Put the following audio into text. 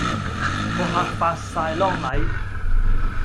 個客發哂狼戾